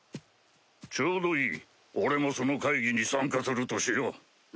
ちょうどいい俺もその会議に参加するとしよう。